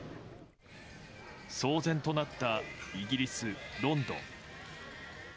騒然となったイギリス・ロンドン。